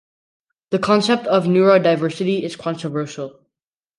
The concept of neurodiversity is controversial.